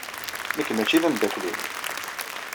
Nekk maci d ameddakel-nnem.